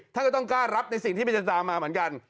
ท่านก็ต้องกล้ารับในสิ่งที่มันจะตามมาเหมือนกัน